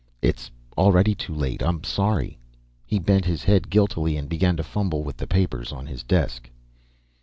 "It's already too late. I'm sorry." He bent his head guiltily and began to fumble with the papers on his desk.